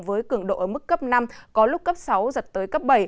với cường độ ở mức cấp năm có lúc cấp sáu giật tới cấp bảy